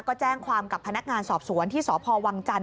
ก็แจ้งความกับพนักงานสอบสวนที่สพวังจันท